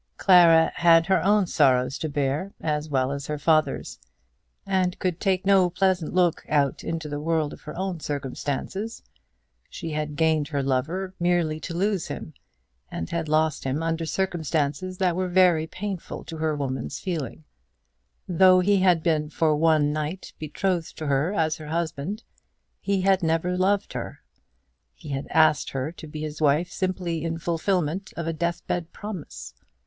Clara had her own sorrows to bear as well as her father's, and could take no pleasant look out into the world of her own circumstances. She had gained her lover merely to lose him, and had lost him under circumstances that were very painful to her woman's feeling. Though he had been for one night betrothed to her as her husband, he had never loved her. He had asked her to be his wife simply in fulfilment of a death bed promise!